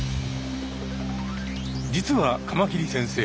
実はカマキリ先生